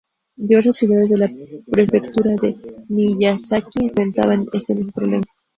Diversas ciudades de la prefectura de Miyazaki enfrentan este mismo problema.